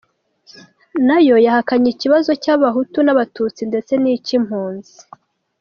Nayo yahakanye ikibazo cy’abahutu n’abatutsi, ndetse n’icy’impunzi.